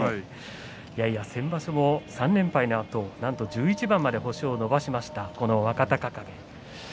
先場所も３連敗のあと１１番まで星を伸ばしました若隆景。